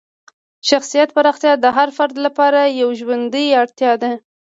شخصیت پراختیا د هر فرد لپاره یوه ژوندۍ اړتیا ده.